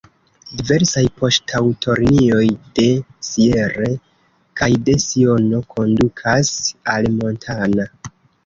Diversaj poŝtaŭtolinioj de Sierre kaj de Siono kondukas al Montana.